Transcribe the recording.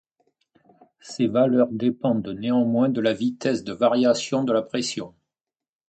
Ces valeurs dépendent néanmoins de la vitesse de variation de la pression.